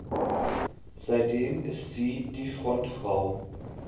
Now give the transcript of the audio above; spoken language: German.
Seitdem ist sie die Frontfrau.